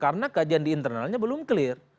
karena kajian di internalnya belum clear